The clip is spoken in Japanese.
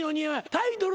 タイトル